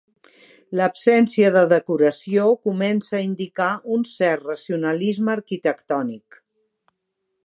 L'absència de decoració comença a indicar un cert racionalisme arquitectònic.